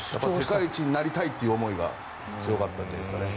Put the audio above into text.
世界一になりたいという思いが強かったんじゃないですかね。